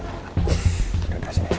udah kasih nih